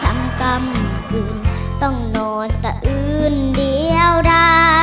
มาครับสู้ค่ะ